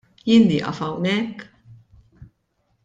Jien nieqaf hawnhekk?